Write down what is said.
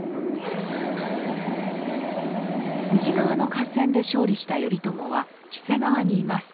富士川の合戦で勝利した頼朝は黄瀬川にいます。